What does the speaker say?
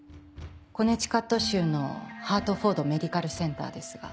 コネチカット州のハートフォードメディカルセンターですが。